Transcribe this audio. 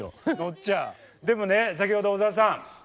でもね先ほど小澤さん